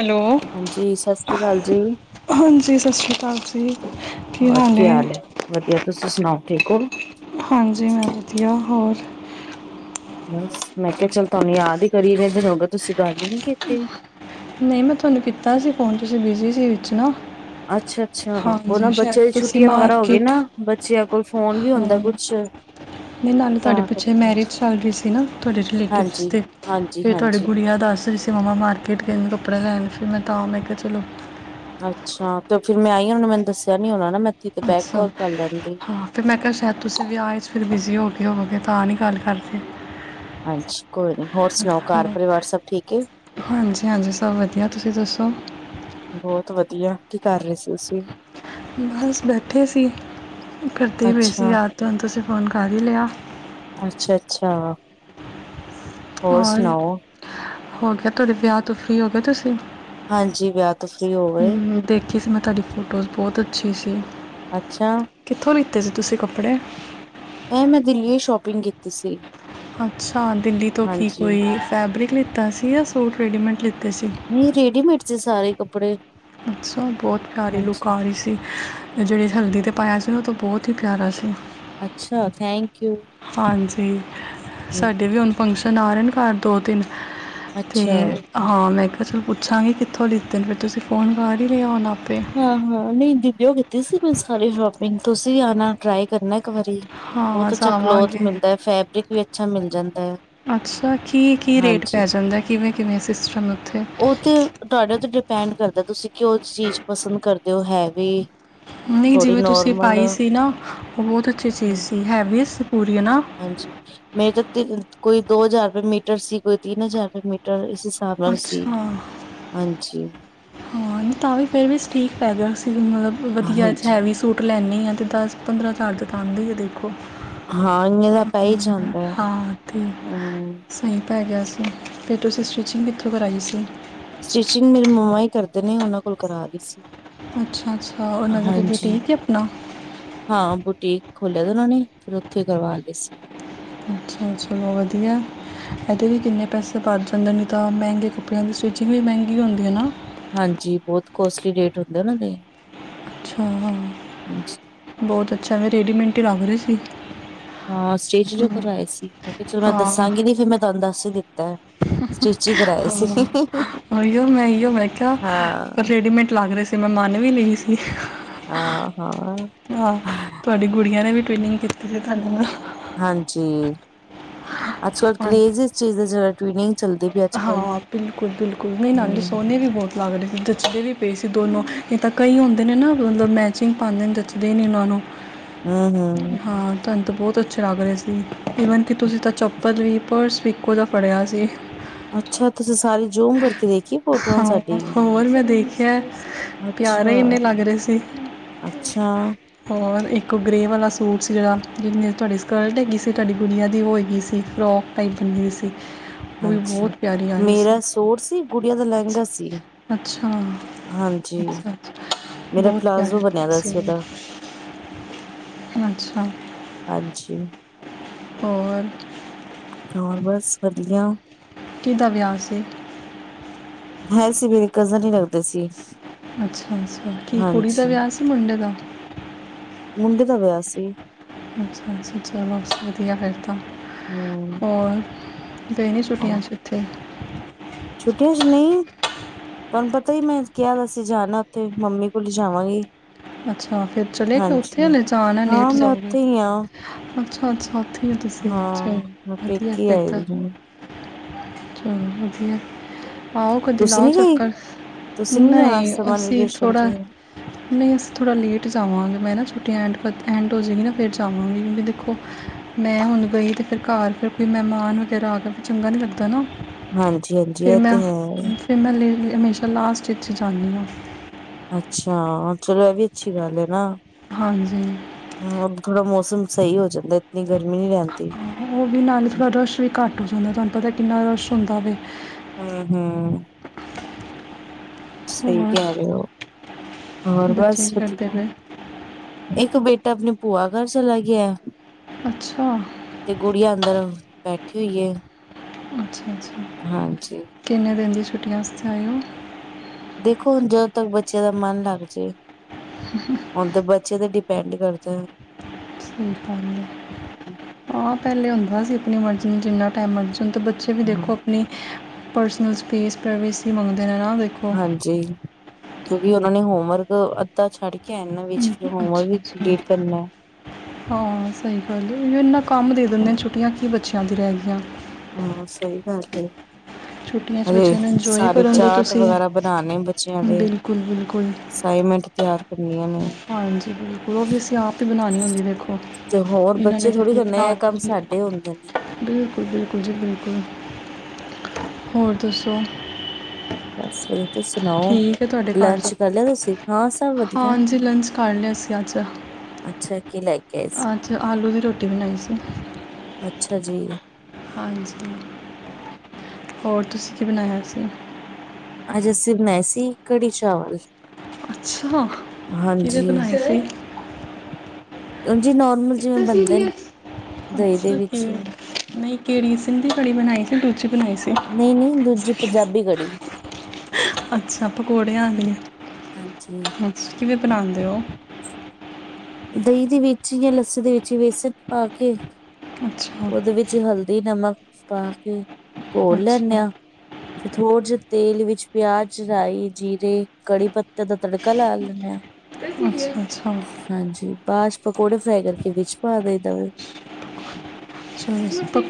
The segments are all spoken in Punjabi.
ਹੈਲੋ। ਹਾਂਜੀ ਸਸਰੀ ਅਕਾਲ ਜੀ। ਹਾਂਜੀ ਸਸ਼੍ਰੀ ਅਕਾਲ ਜੀ ਕੀ ਹਾਲ ਐ? ਵਧੀਆ ਤੁਸੀਂ ਸੁਣਾਓ ਠੀਕ ਓ। ਹਾਂਜੀ ਮੈਂ ਵਧੀਆ ਹੋਰ ਬਸ ਮੈਂ ਕਿਹਾ ਚੱਲ ਤੁਹਾਨੂੰ ਯਾਦ ਹੀ ਕਰੀਏ ਕਿੰਨੇ ਦਿਨ ਹੋ ਗਏ ਤੁਸੀਂ ਗੱਲ ਹੀ ਨਹੀਂ ਕੀਤੀ। ਨਹੀਂ ਮੈਂ ਤੁਹਾਨੂੰ ਕੀਤਾ ਸੀ ਫ਼ੋਨ ਤੁਸੀਂ ਬਿਜੀ ਸੀ ਵਿੱਚ ਨਾ ਅੱਛਾ -ਅੱਛਾ ਉਹ ਨਾ ਹਾਂਜੀ ਬੱਚੇ ਸ਼ਾਇਦ ਦੀ ਤੁਸੀਂ ਛੁੱਟੀਆਂ ਵਗੈਰਾ ਹੋ ਗਈ ਮਾਰਕੀਟ ਨਾ। ਬੱਚਿਆਂ ਕੋਲ ਫੋਨ ਵੀ ਹੁੰਦਾ ਕੁਛ ਨਹੀਂ ਨਾਲੇ ਤਾਂ ਤੁਹਾਡੇ ਪਿੱਛੇ ਕਰਕੇ ਮੈਰਿਜ ਚੱਲ ਰਹੀ ਸੀ ਨਾ ਤੁਹਾਡੇ ਰਿਲੇਟਿਵਸ ਹਾਂਜੀ 'ਤੇ ਹਾਂਜੀ ਫੇਰ ਤੁਹਾਡੀ ਹਾਂਜੀ ਗੁਡੀਆ ਦੱਸਦੀ ਰਈ ਸੀ ਮੰਮਾ ਮਾਰਕੀਟ ਗਏ ਕੱਪੜੇ ਲੈਣ ਫਿਰ ਮੈਂ ਤਾਂ ਮੈਂ ਕਿਹਾ ਚਲੋ ਅੱਛਾ ਤੇ ਮੈਂ ਫਿਰ ਆਈ ਉਹਨਾਂ ਨੇ ਮੈਨੂੰ ਦੱਸਿਆ ਨੀ ਉਹਨਾਂ ਨੇ ਇੱਥੀ ਤੇ ਬੈਕ ਅੱਛਾ ਕਾਲ ਕਰ ਲੈਂਦੀ। ਹਾਂ ਫਿਰ ਮੈਂ ਕਿਹਾ ਸ਼ਾਇਦ ਤੁਸੀਂ ਵਿਆਹ ਆਏ ਫਿਰ ਬਿਜ਼ੀ ਹੋ ਗਏ ਹੋਵਗੇ ਤਾਂ ਨਹੀਂ ਗੱਲ ਕਰਦੇ। ਹਾਂਜੀ ਕੋਈ ਨੀ ਹੋਰ ਸੁਣਾਓ ਘਰ ਹਾਂ। ਪਰਿਵਾਰ ਸਭ ਠੀਕ ਐ। ਹਾਂਜੀ -ਹਾਂਜੀ ਸਭ ਵਧੀਆ ਤੁਸੀਂ ਦੱਸੋ। ਬਹੁਤ ਵਧੀਆ ਕੀ ਕਰ ਰਹੇ ਸੀ ਤੁਸੀਂ? ਬਸ ਬੈਠੇ ਸੀ ਕਰਦੇ ਹੀ ਪਏ ਸੀ ਅੱਛਾ ਯਾਦ ਤੋਂ ਹੁਣ ਤੁਸੀਂ ਫੋਨ ਕਰ ਹੀ ਲਿਆ। ਅੱਛਾ- ਅੱਛਾ। ਹੋਰ ਔਰ, ਸੁਣਾਓ ਹੋਰ ਤੁਹਾਡੇ ਵਿਆਹ ਤੋਂ ਫਰੀ ਹੋ ਗਏ ਤੁਸੀਂ ਹਾਂਜੀ ਵਿਆਹ ਤੋਂ ਫ੍ਰਰੀ ਹੋ ਗਏ ਹੂੰ ਦੇਖੀ ਸੀ ਮੈਂ ਤੁਹਾਡੀ ਫੋਟੋਜ਼ ਬਹੁਤ ਅੱਛੀ ਸੀ। ਅੱਛਾ। ਕਿੱਥੋਂ ਲਿੱਤੇ ਸੀ ਤੁਸੀਂ ਕੱਪੜੇ ਇਹ ਮੈਂ ਦਿੱਲੀ ਓ ਸ਼ੋਪਿੰਗ ਕੀਤੀ ਸੀ। ਅੱਛਾ ਦਿੱਲੀ ਤੋਂ ਕੀ ਹਾਂਜੀ ਕੋਈ ਫੈਬਰਿਕ ਲਿੱਤਾ ਸੀ ਜਾਂ ਸੂਟ ਰੈਡੀਮੇਡ ਲਿੱਤੇ ਸੀ। ਨਹੀਂ ਰੇਡੀਮੇਡ ਸੀ ਸਾਰੇ ਕੱਪੜੇ ਅੱਛਾ ਬਹੁਤ ਪਿਆਰੀ ਲੁੱਕ ਹਾਂਜੀ। ਆ ਰਹੀ ਸੀ। ਜਿਹੜੇ ਹਲਦੀ 'ਤੇ ਪਾਇਆ ਸੀ ਉਹ ਤਾਂ ਬਹੁਤ ਹੀ ਪਿਆਰਾ ਸੀ। ਅੱਛਾ ਥੈਂਕ ਯੂ। ਹਾਂਜੀ ਹੂੰ, ਸਾਡੇ ਵੀ ਹੁਣ ਫੰਕਸ਼ਨ ਆ ਰਹੇ ਨੇ ਘਰ ਦੋ -ਤਿੰਨ ਤੇ ਅੱਛਾ ਹਾਂ ਮੈਂ ਕਿਹਾ ਚਲ ਪੁੱਛਾਂਗੀ ਕਿੱਥੋਂ ਲਿੱਤੇ ਨੇ ਫਿਰ ਤੁਸੀਂ ਫ਼ੋਨ ਕਰ ਹੀ ਲਿਆ ਹੁਣ ਆਪੇ ਹਾਂ -ਹਾਂ ਨਹੀਂ ਦਿੱਲੀਓ ਕੀਤੀ ਸੀ ਮੈਂ ਸਾਰੀ ਸ਼ੋਪਿੰਗ ਤੁਸੀਂ ਵੀ ਆਉਣਾ ਟਰਾਈ ਕਰਨਾ ਇੱਕ ਵਾਰੀ ਹਾਂ ਬਹੁਤ ਅੱਛਾ ਕਲੋਥ ਜਾਵਾਂਗੇ ਮਿਲਦਾ ਹੈ ਫੈਬਰਿਕ ਵੀ ਅੱਛਾ ਮਿਲ ਜਾਂਦਾ ਹੈ। ਅੱਛਾ ਕੀ -ਕੀ ਰੇਟ ਹਾਂਜੀ ਪੈ ਜਾਂਦਾ ਕਿਵੇਂ- ਕਿਵੇਂ ਸਿਸਟਮ ਉੱਥੇ ਉਹ ਤੇ ਤੁਹਾਡੇ ਉੱਤੇ ਡਿਪੈਂਡ ਕਰਦਾ ਤੁਸੀਂ ਕਿਹੋ ਜਿਹੀ ਚੀਜ਼ ਪਸੰਦ ਕਰਦੇ ਹੋ ਹੈਵੀ ਨਹੀਂ ਥੋੜੀ ਜਿਵੇਂ ਤੁਸੀਂ ਨੋਰਮਲ ਪਾਈ ਸੀ ਨਾ ਉਹ ਬਹੁਤ ਅੱਛੀ ਚੀਜ਼ ਸੀ ਹੈਵੀ ਸੀ ਪੂਰੀ ਹੈ ਨਾ ਹਾਂਜੀ, ਮੇਰੇ ਤਾਂ ਕੋਈ ਦੋ ਹਜ਼ਾਰ ਰੁਪਏ ਮੀਟਰ ਸੀ ਕੋਈ ਤਿੰਨ ਹਜ਼ਾਰ ਰੁਪਏ ਮੀਟਰ ਇਸ ਹਿਸਾਬ ਨਾਲ ਸੀ, ਅੱਛਾ ਹਾਂਜੀ ਹਾਂ ਤਾਂ ਵੀ ਫਿਰ ਵੀ ਠੀਕ ਪੈ ਗਿਆ ਸੀ ਮਤਲਬ ਵਧੀਆ 'ਚ ਹਾਂਜੀ ਹੈਵੀ ਜ ਸੂਟ ਲੈਂਦੀ ਹਾਂ ਅਤੇ ਦਸ- ਪੰਦਰਾਂ ਹਜ਼ਾਰ ਦੇ ਤਾਂ ਆਉਂਦੇ ਹੀ ਦੇਖੋ। ਹਾਂ ਇਨੇ ਤਾਂ ਪੈ ਹੀ ਜਾਂਦਾ ਆ, ਹੂੰ ਆਈ ਪੈ ਗਿਆ ਸੀ ਫਿਰ ਤੁਸੀਂ ਸਟਿਚਿੰਗ ਕਿੱਥੋਂ ਕਰਾਈ ਸੀ। ਸਟਿਚਿੰਗ ਮੇਰੇ ਮੰਮਾਂ ਹੀ ਕਰਦੇ ਨੇ ਉਹਨਾਂ ਕੋਲ ਕਰਾਂ ਲੀ ਸੀ। ਅੱਛਾ -ਅੱਛਾ ਉਹਨਾਂ ਦਾ ਕੋਈ ਹਾਂਜੀ ਬੁਟੀਕ ਹੈ ਵੀ ਆਪਣਾ। ਹਾਂ ਬੁਟੀਕ ਖੋਲਿਆ ਤੇ ਉਹਨਾਂ ਨੇ ਫਿਰ ਉੱਥੇ ਹੀ ਕਰਵਾ ਲਏ ਸੀ। ਅੱਛਾ, ਚਲੋ ਵਧੀਆ। ਇਹਦੇ ਵੀ ਕਿੰਨੇ ਪੈਸੇ ਬਚ ਜਾਂਦੇ ਨੇ ਨਹੀਂ ਤਾਂ ਮਹਿੰਗੇ ਕੱਪੜਿਆਂ ਦੀ ਸਟਿਚਿੰਗ ਵੀ ਮਹਿੰਗੀ ਹੁੰਦੀ ਹੈ ਨਾ। ਹਾਂਜੀ ਬਹੁਤ ਕੋਸਟਲੀ ਰੇਟ ਹੁੰਦੇ ਆ ਉਹਨਾ ਦੇ। ਅੱਛਾ ਹਾਂਜੀ ਬਹੁਤ ਅੱਛਾ ਰੇਡੀਮੇਟ ਹੀ ਲੱਗ ਰਹੇ ਸੀ। ਹਾਂ ਸਟਿਚ ਜੋ ਕਰਵਾਏ ਸੀ। ਮੈਂ ਕਿਹਾ ਚਲੋ ਮੈਂ ਹਾਂ ਦੱਸਾਂਗੀ ਵੀ ਕਿ ਮੈਂ ਤੁਹਾਨੂੰ ਦੱਸ ਹੀ ਦਿੱਤਾ ਹੈ। ਸਟਿਚ ਹੀ ਕਰਵਾਏ ਸੀ। ਓ ਮੈਂ ਇਓ ਮੈਂ ਕਿਹਾ ਹਾਂ ਰੇਡੀਮੇਡ ਲੱਗ ਰਹੇ ਸੀ ਮੈਂ ਮੰਨ ਵੀ ਲਈ ਸੀ। ਹਾਂ ਹਾਂ ਹਾਂ ਤੁਹਾਡੀ ਗੁਡੀਆਂ ਨੇ ਵੀ ਟ੍ਰੇਨਿਗ ਕੀਤੀ ਸੀ ਸਾਡੇ ਨਾਲ। ਹਾਂਜੀ। ਅੱਜ ਕੱਲ੍ਹ ਹਾਂ ਕਰੇਜ ਇਸ ਚੀਜ਼ ਦਾ ਜਾ ਵੀ ਨਹੀਂ ਟਵਿੱਨਿੰਗ ਚੱਲ ਹਾਂ ਬਿਲਕੁਲ- ਬਿਲਕੁਲ ਨਹੀਂ ਨਾਲੇ ਹੂੰ ਸੋਹਣੇ ਵੀ ਬਹੁਤ ਲਗਦੇ ਸੀ। ਜੱਚਦੇ ਵੀ ਪਏ ਸੀ ਦੋਨੋਂ ਨਹੀ ਤਾਂ ਕਈ ਹੁੰਦੇ ਨੇ ਨਾ ਮਤਲਬ ਮੈਚਿੰਗ ਪਾਉਂਦੇ ਨੇ ਦੇ ਨੇ ਉਹਨਾਂ ਨੂੰ ਹੂੰ ਹੂੰ ਹਾਂ। ਤੁਹਾਨੂੰ ਤਾਂ ਬਹੁਤ ਅੱਛੇ ਲੱਗ ਰਹੇ ਸੀ ਈਵਨ ਕਿ ਤੁਸੀਂ ਤਾਂ ਚੱਪਲ ਵੀ ਪਰਸ ਵੀ ਇਕੋ ਜਾ ਫੜਿਆ ਸੀ। [inaudible] ਅੱਛਾ। ਤੁਸੀਂ ਸਾਰੀ ਜੋਮ ਕਰਕੇ ਦੇਖੀ। ਫੋਟੋਆਂ ਸਾਡੀ ਹਾਂ ਹੋਰ ਮੈਂ ਦੇਖਿਆ ਅੱਛਾ ਪਿਆਰੇ ਹੀ ਇੰਨੇ ਲੱਗ ਰਹੇ ਸੀ। ਅੱਛਾ। ਔਰ ਇੱਕ ਗ੍ਰੇ ਵਾਲਾ ਸੂਟ ਸੀ ਜਿਹੜਾ ਜਿਹਦੇ ਨਾਲ ਤੁਹਾਡੀ ਸਕਰਟ ਹੈਗੀ ਸੀ ਤੁਹਾਡੀ ਗੁੱਡੀਆਂ ਦੀ ਉਹ ਹੈਗੀ ਸੀ ਫਰੋਕ। ਪਾਈ ਹੋਈ ਸੀ। ਉਹ ਵੀ ਹਾਂਜੀ ਬਹੁਤ ਪਿਆਰੀ ਆ ਰਹੀ ਸੀ ਮੇਰਾ ਸੂਟ ਸੀ। ਗੁੱਡੀਆਂ ਦਾ ਅੱਛਾ ਲਹਿੰਗਾ ਸੀ। ਅੱਛਾ ਹਾਂਜੀ ਅੱਛਾ ਅੱਛਾ ਮੇਰਾ ਬਹੁਤ ਪਿਆਰੀ ਪਲਾਜ਼ੋ ਲੱਗ ਬਣਿਆ ਰਹੀ ਦਾ ਉਹ ਸੀ ਉਹਦਾ ਦਾ। [inaudible] ਅੱਛਾ। ਹਾਂਜੀ। ਹੋਰ। ਹੋਰ ਬਸ ਵਧੀਆ। ਕਿਹਦਾ ਵਿਆਹ ਸੀ। ਹੈ ਸੀ, ਮੇਰੇ ਕਜ਼ਨ ਹੀ ਲੱਗਦੇ ਸੀ। ਅੱਛਾ- ਅੱਛਾ ਕੀ ਕੁੜੀ ਦਾ ਹਾਂਜੀ ਵਿਆਹ ਸੀ ਮੁੰਡੇ ਦਾ? ਮੁੰਡੇ ਦਾ ਵਿਆਹ ਸੀ। ਅੱਛਾ- ਅੱਛਾ ਚਲੋ ਵਧੀਆ ਫਿਰ ਤਾਂ ਹੂੰ। ਹੋਰ ਗਏ ਨੀ ਛੁੱਟੀਆਂ ਆਹ ਚ ਉੱਥੇ ਛੁੱਟੀਆਂ ਚ ਨਹੀਂ ਤੁਹਾਨੂੰ ਪਤਾ ਹੀ ਮੈਂ ਕਿਹਾ ਹੋਇਆ ਸੀ ਜਾਣਾ ਉੱਥੇ ਮੰਮੀ ਕੋਲ ਜਾਵਾਂਗੇ। ਅੱਛਾ ਫਿਰ ਚਲੇ ਕੇ ਉੱਥੇ ਆ ਜਾਣਾ ਹਾਂ ਲੇਟ ਮੈਂ ਜਾਓਗੇ ਉੱਥੇ ਹੀ ਹਾਂ ਅੱਛਾ- ਅੱਛਾ ਫਿਰ ਤੁਸੀ ਹਾਂ ਚਲ ਮੈਂ ਵਧੀਆ ਪੇਕੇ ਫਿਰ ਆਈ ਤਾਂ ਦੀ ਹਾਂ ਚਲ ਵਧੀਆ। ਆਓ ਕਦੇ ਤੁਸੀਂ ਲਾਓ ਨੀ ਗਈ ਚੱਕਰ, ਤੁਸੀਂ ਨੀ ਜਾਣਾ ਨਹੀਂ ਸਮਰ ਅਸੀਂ ਵੇਕੇਸ਼ਨ ਤੇ ਥੋੜਾ ਨਹੀਂ ਥੋੜ੍ਹਾ ਲੇਟ ਜਾਵਾਂਗੇ। ਮੈਂ ਨਾ ਛੁੱਟੀ ਐਡ ਐਡ ਹੋ ਜਾਵੇਗੀ ਨਾ ਫਿਰ ਜਾਵਾਂਗੀ ਕਿਉਕਿ ਦੇਖੋ ਮੈਂ ਹੁਣ ਗਈ ਤੇ ਫਿਰ ਘਰ ਫਿਰ ਕੋਈ ਮਹਿਮਾਨ ਵਗੈਰਾ ਆ ਕੇਿਰ ਚੰਗਾ ਨਹੀਂ ਲੱਗਦਾ ਨਾ। ਹਾਂਜੀ-ਹਾਂਜੀ ਇਹ ਤੇ ਹੈ ਨਾ। ਮੈ ਲੇਟ ਹਮੇਸ਼ਾ ਲਾਸਟ 'ਚ ਜਾਣੀ ਹਾਂ। ਅੱਛਾ ਚਲੋ, ਇਹ ਵੀ ਅੱਛੀ ਗੱਲ ਏ ਨਾ। ਹਾਂਜੀ। ਹਮ ਥੋੜਾ ਮੌਸਮ ਸਹੀ ਹੋ ਚੱਲਿਆ, ਇਤਨੀ ਗਰਮੀ ਨੀ ਰਹਿੰਦੀ। ਹਾਂ, ਉਹ ਵੀ ਨਾਲਾ ਰਸ਼ ਵੀ ਘੱਟ ਹੋ ਜਾਂਦਾ ਤੁਹਾਨੂੰ ਪਤਾ ਕਿੰਨਾ ਰਸ਼ ਹੁੰਦਾ ਹੋਵੇ। ਹਮ ਹਮ। ਸਹੀ ਹੋਰ ਕਹਿ ਰਹੇ ਹੋ, ਹੋਰ ਬੱਚੇ ਬਸ ਕੀ ਕਰਦੇ ਵਧੀਆ। ਪਏ ਇੱਕ ਬੇਟਾ ਆਪਣੀ ਭੂਆ ਘਰ ਚਲਾ ਗਿਆ। ਅੱਛਾ। ਤੇ ਗੁਡੀਆ ਅੰਦਰ ਬੈਠੇ ਹੋਈਏ। ਅੱਛਾ-ਅੱਛਾ। ਕਿੰਨੇ ਦਿਨ ਦੀਆਂ ਛੁੱਟੀਆਂ ਵਸਤੇ ਆਇਓ। ਦੇਖੋ, ਹੁਣ ਜਦੋਂ ਤੱਕ ਬੱਚੇ ਦਾ ਮਨ ਲੱਗ ਜਾਏ, ਹੁਣ ਤਾਂ ਬੱਚੇ ਤੇ ਡੀ- ਪੈਂਡ ਕਰਦਾ। ਸਹੀ ਗੱਲ ਆ, ਹਾਂ ਪਹਿਲੇ ਹੁੰਦਾ ਸੀ ਆਪਣੀ ਮਰਜ਼ੀ ਨੂੰ ਜਿੰਨਾ ਟਾਈਮ ਮਰਜੀ ਹੁਣ ਤਾਂ ਬੱਚੇ ਵੀ ਦੇਖੋ ਆਪਣੀ ਪਰਸਨਲ ਸਪੇਸ ਪ੍ਰਾਈਵੇਸੀ ਮੰਗਦੇ ਨੇ ਨਾ ਦੇਖੋ। ਹਾਂਜੀ, ਕਿਉਂਕਿ ਉਹਨਾਂ ਨੇ ਹੋਮਵਰਕ ਅੱਧਾ ਛੱਡ ਕੇ ਆਏ ਨਾ ਵਿੱਚ ਹਮ, ਫਿਰ ਹੋਮਵਰਕ ਅੱਛਾ ਵੀ ਅੱਛਾ ਕੰਪਲੀਟ ਕਰਨਾ। ਹਾਂ, ਸਹੀ ਗੱਲ ਉ ਇੰਨਾ ਕੰਮ ਦੇ ਦਿੰਦੇ ਛੁੱਟੀਆਂ ਕੀ ਬੱਚਿਆਂ ਦੀ ਰਹਿ ਗਈਆਂ। ਹਾਂ, ਸਹੀ ਗੱਲ ਏ। ਛੁੱਟੀਆਂ 'ਚ ਬੱਚਿਆਂ ਨੂੰ ਹਜੇ ਇੰਜੋਏ ਸਾਰੇ ਕਰਨ ਦਿਉ ਚਾਟ ਤੁਸੀਂ ਵਗੈਰਾ ਬਣਾਣੇ ਬੱਚਿਆਂ ਦੇ। ਬਿਲਕੁਲ ਬਿਲਕੁਲ ਸਾਇਨ ਮੈਂਟ ਤਿਆਰ ਕਰਨੀਆ ਨੇ। ਹਾਂਜੀ, ਬਿਲਕੁਲ ਉਹ ਵੀ ਅਸੀਂ ਆਪ ਹੀ ਬਣਾਣੀ ਹੁੰਦੀ ਦੇਖੋ। ਤੇ ਹੋਰ ਇਹਨਾਂ ਨੇ ਬੱਚੇ ਥੋੜੀ ਚਟਨੀ ਕਰਨਾ ਐ ਕੰਮ ਬਣਾਉਣੀ ਬਿਲਕੁਲ ਸਾਡੇ ਹੁੰਦੇ ਨੇ। ਬਿਲਕੁਲ ਬਿਲਕੁਲ ਜੀ ਬਿਲਕੁਲ। ਹੋਰ ਦੱਸੋ? ਬਸ। ਤੁਸੀ ਸੁਣਾਓ, ਠੀਕ ਹੈ ਤੁਹਾਡੇ ਘਰ ਲੰਚ ਸਭ ਕਰ ਲਿਆ ਤੁਸੀ? ਹਾਂ ਸਭ ਵਧੀਆ। ਹਾਂਜੀ ਲੰਚ ਕਰ ਲਿਆ ਅਸੀਂ ਅੱਜ ਅੱਛਾ ਕੀ ਲੈ ਕੇ ਆਏ ਸੀ, ਅੱਜ ਆਲੂ ਦੀ ਰੋਟੀ ਬਣਾਈ ਸੀ ਅੱਛਾ ਜੀ। ਹਾਂਜੀ, ਹੋਰ ਤੁਸੀ ਕੀ ਬਣਾਇਆ ਸੀ? ਅੱਜ ਅਸੀ ਬਣਾਏ ਸੀ ਕੜੀ-ਚਾਵਲ। ਅੱਛਾ ਕਿਹਦੇ ਬਣਾਈ ਸੀ। ਇੰਜ ਈ ਨੋਰਮਲ ਜਿਵੇ ਇਤਨਾ ਬਣਦੇ ਨੇ ਸੀਰੀਅਸ ਦਹੀਂ ਦੇ ਵਿੱਚ। ਨਹੀ ਕਿਹੜੀ ਸਿੰਧੀ ਕੜੀ ਬਣਾਈ ਸੀ ਕਿ ਦੂਜੀ ਬਣਾਈ ਸੀ। ਨਹੀਂ-ਨਹੀਂ ਦੂਜੀ ਪੰਜਾਬੀ ਕੜੀ। ਅੱਛਾ। ਪਕੌੜੇ ਆਦੀਆਂ, ਹਾਂਜੀ ਅੱਛਾ ਕਿਵੇਂ ਬਣਾਦੇ ਹੋ? ਦਹੀ ਦੇ ਵਿੱਚ ਜਾਂ ਲੱਸੀ ਦੇ ਵਿੱਚ ਹੀ ਬੇਸਣ ਪਾ ਕੇ। ਅੱਛਾ ਉਹਦੇ ਵਿੱਚ ਹਲਦੀ, ਨਮਕ ਪਾ ਕੇ ਘੋਲ ਲੈਣੇ ਅੱਛਾ ਆ। ਤੇ ਥੋੜੇ ਜਿਹੇ ਤੇਲ ਵਿੱਚ ਪਿਆਜ, ਰਾਈ, ਜੀਰੇ, ਕੜੀ ਪੱਤ- ਤਾ ਦਾ ਤੜਕਾ ਲੈ ਲੈਣੇ ਆ। ਅੱਛਾ ਅੱਛਾ ਹਾਂਜੀ ਬਾਚ ਪਕੌੜੇ ਫਰਾਈ ਕਰਕੇ ਵਿੱਚ ਪਾ ਦਈ ਦਾ ਚਲ ਵੈਸੇ ਪ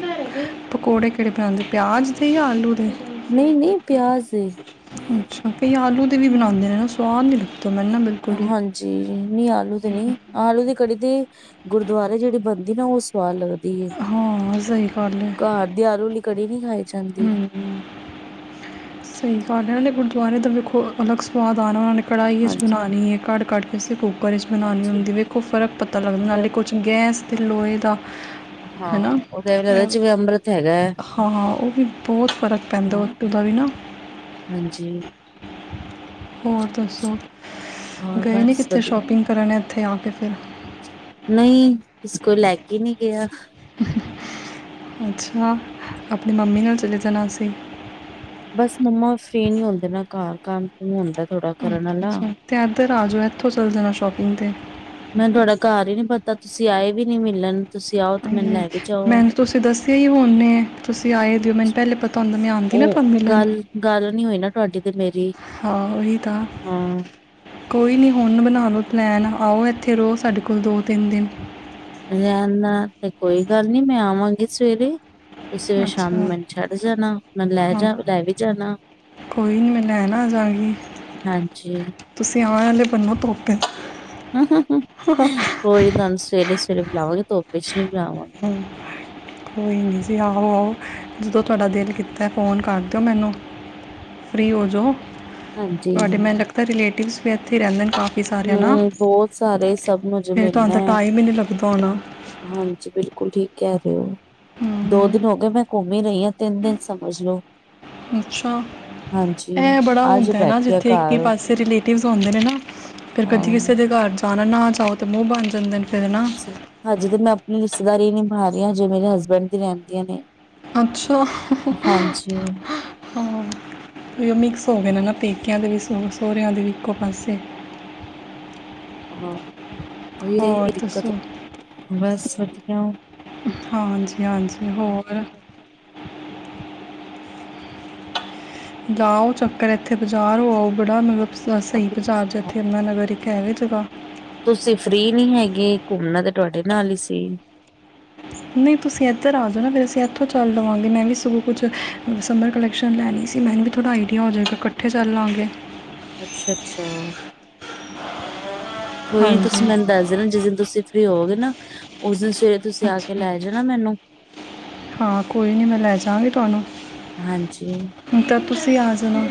ਪਕੌੜੇ ਕਿਹੜੇ ਬਣਾਉਦੇ ਪਿਆਜ਼ ਦੇ ਜਾਂ ਆਲੂ ਦੇ ਨਹੀਂ- ਨਹੀਂ ਪਿਆਜ ਦੇ ਅੱਛਾ, ਕਈ ਆਲੂ ਤੇ ਵੀ ਬਣਾਉਂਦੇ ਨੇ ਨਾ ਸਵਾਦ ਨੀ ਲਗਦੇ ਮੈਂਨੂੰ ਬਿਲਕੁਲ ਵੀ ਹਾਂਜੀ। ਜੀ - ਜੀ ਨਹੀਂ ਆਲੂ ਤੇ ਨਹੀਂ ਆਲੂ ਦੀ ਕੜੀ ਤੇ ਗੁਰਦੁਆਰੇ ਜਿਹੜੀ ਬਣਦੀ ਨਾ ਉਹ ਸਵਾਦ ਲੱਗਦੀ। ਏ, ਹਾਂ ਸਹੀ ਗੱਲ ਹੈ ਘਰ ਦੀ ਆਲੂ ਕੜੀ ਨਹੀਂ ਖਾਈ ਜਾਂਦੀ। ਹੂੰ, ਸਹੀ ਗੱਲ ਏ ਗੁਰਦੁਆਰੇ ਦਾ ਵੇਖੋ ਅਲੱਗ ਸਵਾਦ ਆਣਾ ਉਹਨਾਂ ਨੇ ਕੜਾਈ 'ਚ ਹਾਂਜੀ ਬਣਾਣੀ ਹੈ ਕੜ-ਕੜ ਕੇ ਅਸੀਂ ਕੁੂੱਕਰ 'ਚ ਬਣਾਉਣੀ ਹਾਂਜੀ ਹੁੰਦੀ ਵੇਖੋ ਫਿਰ ਫਰਕ ਪਤਾ ਲੱਗਦਾ ਫਿਰ ਕੁਛ ਗੈਸ ਤੇ ਲੋਹੇ ਦਾ ਹੈ ਹਾਂ ਨਾ ਉਹ ਤਾ ਇਹਵੇਂ ਲੱਗਦਾ ਜਿਵੇਂ ਅੰਮ੍ਰਿਤ ਹੈਗਾ ਹੈ ਹਾਂ, ਉਹ ਵੀ ਬਹੁਤ ਫ਼ਰਕ ਪੈਂਦਾ ਹਾਂ ਉਟੂ ਦਾ ਵੀ ਨਾ। ਹਾਂਜੀ। ਹੋਰ ਦੱਸੋ, ਹੋਰ ਗਏ ਨੀ ਬਸ ਕਿੱਤੇ ਵਧੀਆ ਸ਼ੋਪਿੰਗ ਕਰਨ ਇੱਥੇ ਆ ਕੇ ਫਿਰ ਨਹੀਂ ਇਸ ਕੋਈ ਲੈ ਕੇ ਨਹੀ ਗਿਆ ਅੱਛਾ, ਆਪਣੀ ਮੰਮੀ ਨਾਲ ਚਲੇ ਜਾਣਾ ਸੀਂ। ਬਸ ਮੰਮਾ ਫਰੀ ਨੀ ਹੁੰਦੇ ਨਾ ਘਰ ਕੰਮ -ਕੁਮ ਹੁੰਦਾ ਥੋੜਾ ਕਰਨ ਅੱਛਾ ਆਲਾ। ਅੱਛਾ ਅਤੇ ਇੱਧਰ ਆ ਜਾਓ, ਇੱਥੋਂ ਚੱਲ ਜਾਣਾ ਸ਼ੋਪਿੰਗ 'ਤੇ ਮੈਨੂੰ ਤੁਹਾਡਾ ਘਰ ਹੀ ਨੀ ਪਤਾ ਤੁਸੀਂ ਆਏ ਵੀ ਨੀ ਮਿਲਣ ਬਹੁਤ ਮਿਲਨ ਅਰੇ ਲਏ ਵੇ ਮੈਨੂੰ ਤੁਸੀਂ ਦੱਸਿਆ ਹੀ ਹੁਨੇ ਤੁਸੀਂ ਆਏ ਦੇ ਓ ਮੈਨੂੰ ਪਹਿਲੇ ਪਤਾ ਹੁੰਦਾ ਮੈਂ ਆਉਂਦੀ ਨਾ ਉਹ ਤੁਹਾਨੂੰ ਮਿਲਣ। ਗੱਲ ਗੱਲ ਨੀ ਹੋਈ ਨਾ ਤੁਹਾਡੀ ਤੇ ਮੇਰੀ ਹਾਂ ਉਹੀ ਤਾਂ ਹਾਂ ਕੋਈ ਨਹੀਂ ਹੁਣ ਬਣਾ ਲੋ ਪਲੈਨ ਆਓ, ਇੱਥੇ ਰਹੋ ਸਾਡੇ ਕੋਲ ਦੋ- ਤਿੰਨ ਦਿਨ। ਰਹਿਣ ਦਾ ਤੇ ਕੋਈ ਗੱਲ ਨੀ ਮੈਂ ਆਵਾਂਗੀ ਸਵੇਰੇ ਤੁਸੀਂ ਫਿਰ ਸ਼ਾਮ ਨੂੰ ਅੱਛਾ ਮੈਨੂੰ ਛੱਡ ਜਾਣਾ, ਮੈਨੂੰ ਲੈ ਹਾਂ -ਲੈ ਵੀ ਜਾਣਾ। ਕੋਈ ਨੀ ਮੈਂ ਲੈਣ ਆ ਜਾਗੀ ਹਾਂਜੀ ਤੁਸੀਂ ਆਉਣ ਵਾਲੇ ਬਨੋ ਧੋਪ ਕੋਈ ਨਾ ਤੁਹਾਨੂੰ ਸਵੇਰੇ -ਸਵੇਰੇ ਬੁਲਾਵਾਂਗੀ ਧੁੱਪ 'ਚ ਨੀ ਬੁਲਾਵਾਂ ਹਮ। ਕੋਈ ਨਹੀਂ ਜੀ ਆਓ- ਆਓ ਜਦੋਂ ਤੁਹਾਡਾ ਦਿਲ ਕੀਤਾ ਫ਼ੋਨ ਕਰ ਦਿਓ ਮੈਨੂੰ। ਫਰੀ ਹੋ ਜਾਓ ਹਾਂਜੀ ਤੁਹਾਡੇ ਮੈਨੂੰ ਲਗਦਾ ਰਿਲੇਟਿਵਸ ਵੀ ਇੱਥੇ ਰਹਿੰਦੇ ਨੇ ਕਾਫੀ ਸਾਰਿਆਂ ਨਾਲ ਹੂੰ, ਬਹੁਤ ਸਾਰੇ ਸਭ ਨੂੰ ਜੇ ਫੇਰ ਤੁਹਾਨੂੰ ਮਿਲਣਾ ਤਾਂ ਹੈ। ਟਾਈਮ ਹੀ ਨਹੀ ਲੱਗਦਾ ਹੋਣਾ। ਹਾਂਜੀ ਬਿਲਕੁਲ ਠੀਕ ਕਹਿ ਰਹੇ ਹੋ। ਦੋ ਹਮ, ਦਿਨ ਹੋ ਗੇ, ਮੈਂ ਘੁੰਮ ਹੀ ਰਹੀ ਹਾਂ ਤਿੰਨ ਦਿਨ ਸਮਝ ਲਓ। ਅੱਛਾ, ਇਹ ਬੜਾ ਅੱਜ ਹੁੰਦਾ ਨਾ ਬੈਠੀ ਆ ਜਿੱਥੇ ਇੱਕ ਹੀ ਘਰ ਪਾਸੇ ਰਿਲੇਟ ਆਉਦੇ ਨੇ ਨਾ ਫਿਰ ਕਦੀ ਹਾਂ। ਕਿਸੇ ਦੇ ਘਰ ਜਾਣਾ ਨਾਹ ਜਾਓ ਤੇ ਮੂੰਹ ਬਣ ਜਾਂਦੇ ਫਿਰ ਨਾ ਹਜੇ ਤੇ ਮੈਂ ਆਪਣੀ ਰਿਸ਼ਤੇਦਾਰੀ ਨਿਭਾ ਰਹੀ ਹਾਂ ਜੇ ਮੇਰੇ ਹਸਬੈਂਡ ਦੀਆਂ ਰਹਿੰਦੀਆਂ ਨੇ। ਅੱਛਾ। ਹਾਂਜੀ, ਹਾਂ ਵੀ ਉਹ ਮਿਕਸ ਹੋ ਗਏ ਨਾ ਪੇਕਿਆਂ ਦੇ ਵੀ ਸਹੁਰਿਆਂ ਦੇ ਵੀ ਇੱਕੋ ਪਾਸੇ। ਹਾਂ ਉਹੀ ਰਹੀ ਹੋਰ ਦਿੱਕਤ ਦੱਸੋ ਬਸ ਵਧੀਆ। ਹਾਂਜੀ -ਹਾਂਜੀ ਹੋਰ ਜਾਓ ਚੱਕਰ ਇੱਥੇ ਬਜ਼ਾਰ ਹੋ ਆਓ ਬੜਾ ਮਤਲ ਸ ਸਹੀ ਬਾਜ਼ਾਰ ਇੱਥੇ ਜਮੁਨਾ ਨਗਰ ਹੈਵੇ ਜਗ੍ਹਾ ਤੁਸੀਂ ਫਰੀ ਨਹੀ ਹੈਗੇ ਘੁੰਮਣਾ ਤਾਂ ਤੁਹਾਡੇ ਨਾਲ ਹੀ ਸੀ। ਨਹੀਂ ਤੁਸੀਂ ਇੱਧਰ ਆ ਜਾਓ ਨਾ। ਫਿਰ ਅਸੀ ਇੱਥੋਂ ਚੱਲ ਲਵਾਂਗੇ ਮੈਂ ਵੀ ਸਗੋਂ ਕੁਝ ਸਮਰ ਕਲੈਕਸ਼ਨ ਲੈਣੀ ਸੀ। ਥੋੜ੍ਹਾ ਆਈਡੀਆ ਹੋ ਜਾਵੇਗਾ, ਇਕੱਠੇ ਚੱਲ ਲਵਾਂਗੇ। ਅੱਛਾ-ਅੱਛਾ। ਕੋਈ ਨੀ ਹਾਂਜੀ ਤੁਸੀ ਮੈਨੂੰ ਦੱਸ ਦੇਣਾ ਜਿਸ ਦਿਨ ਤੁਸੀ ਫਰੀ ਹੋਵੋਗੇ ਨਾ। ਉਸ ਦਿਨ ਸਵੇਰੇ ਤੁਸੀਂ ਆ ਕੇ ਅੱਛਾ ਲੈ ਜਾਣਾ ਮੈਨੂੰ। ਹਾਂ ਕੋਈ ਨਹੀਂ ਮੈਂ ਲੈ ਜਾਂਵਾਗੀ ਹਾਂਜੀ, ਤੁਹਾਨੂੰ ਤਾਂ ਤੁਸੀ ਆ ਜਾਣਾ।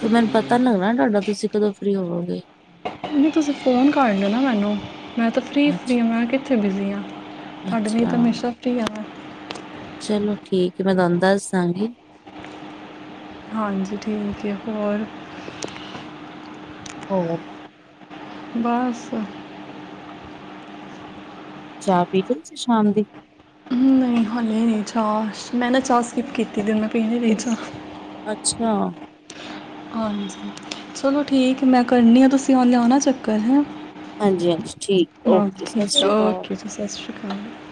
ਫਿਰ ਮੈਨੂੰ ਪਤਾ ਨੀ ਲੱਗਣਾ ਤੁਹਾਡਾ ਤੁਸੀ ਕਦੋਂ ਫਰੀ ਹੋਵੋਗੇ। ਨਹੀਂ -ਨਹੀਂ ਤੁਸੀਂ ਫੋਨ ਕਰ ਲਓ ਨਾ ਮੈਨੂੰ। ਮੈਂ ਤਾਂ ਫਰੀ ਅੱਛ ਫਰੀ ਹਾਂ, ਮੈਂ ਕਿੱਥੇ ਬਿਜ਼ੀ ਹਾਂ। ਤੁਹਾਡੇ ਲਈ ਅੱਛਾ, ਤਾਂ ਹਮੇਸ਼ਾ ਫਰੀ ਆ। ਚਲੋ ਠੀਕ ਏ, ਮੈਂ ਤੁਹਾਨੂੰ ਦੱਸ ਦਾਂਗੀ। ਹਾਂਜੀ ਠੀਕ ਏ, ਹੋਰ। ਹੋਰ। ਬਸ। ਚਾਹ ਪੀ ਲਈ ਤੁਸੀ ਸ਼ਾਮ ਦੀ। ਨਹੀਂ ਹਾਲੇ ਨਹੀਂ ਚਾਹ। ਮੈਂ ਨਾ ਚਾਹ ਸਕਿਪ ਕੀਤੀ ਤੇ ਮੈਂ ਪੀਨੀ ਰਹੀ ਚਾਹ। ਅੱਛਾ। ਹਾਂਜੀ, ਚਲੋ ਠੀਕ ਏ, ਮੈਂ ਕਰਨੀ ਆਂ ਤੁਹੀਂ ਆਹ ਲਿਆਣਾ ਚੱਕਰ ਹੈ। ਹਾਂਜੀ-ਹਾਂਜੀ ਠੀਕ, ਓਕੇ, ਸਸਰੀ ਕਾਲ। ਸਸਰੀ ਕਾਲ।